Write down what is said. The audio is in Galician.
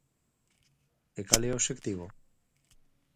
¿E cal é o obxectivo?